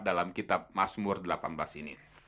dalam kitab masmur delapan belas ini